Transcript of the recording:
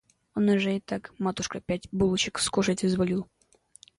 Он уже и так, матушка, пять булочек скушать изволил.